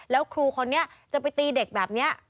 แล้วครูคนนี้จะไปตีเด็กแบบนี้